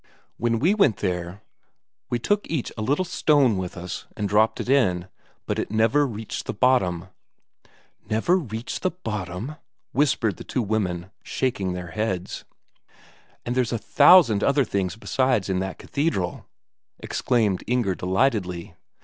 When we went there, we took each a little stone with us, and dropped it in, but it never reached the bottom." "Never reached the bottom?" whispered the two women, shaking their heads. "And there's a thousand other things besides in that cathedral," exclaimed Inger delightedly.